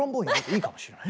いいかもしれない。